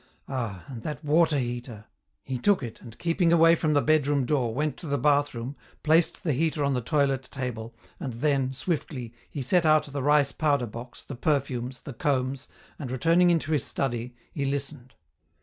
Ah! and that water heater! He took it and, keeping away from the bedroom door, went to the bathroom, placed the heater on the toilet table, and then, swiftly, he set out the rice powder box, the perfumes, the combs, and, returning into his study, he listened.